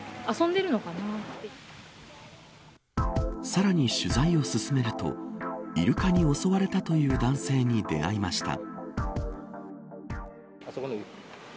さらに取材を進めるとイルカに襲われたという男性に出会いました。